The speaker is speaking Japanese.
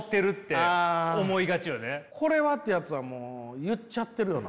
「これは」ってやつはもう言っちゃってるよな。